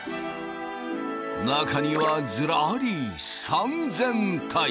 中にはずらり３０００体。